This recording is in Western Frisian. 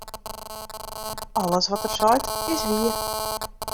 Alles wat er seit, is wier.